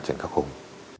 trần các hùng